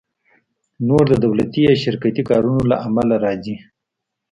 نور د دولتي یا شرکتي کارونو له امله راځي